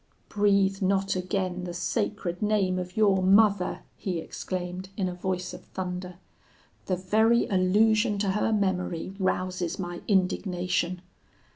"'Breathe not again the sacred name of your mother,' he exclaimed, in a voice of thunder; 'the very allusion to her memory rouses my indignation.